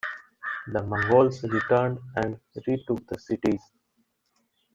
The Mongols returned and retook the cities.